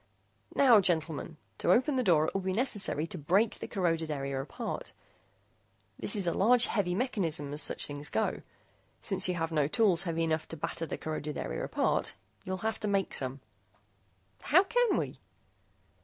"Now, gentlemen, to open the door it will be necessary to break the corroded area apart. This is a large heavy mechanism, as such things go. Since you have no tools heavy enough to batter the corroded area apart, you'll have to make some." "How can we?"